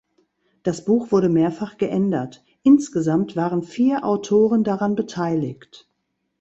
Das Buch wurde mehrfach geändert; insgesamt waren vier Autoren daran beteiligt.